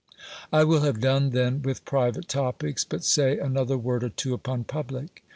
I will have done then with private topics, but say another word or two upon public.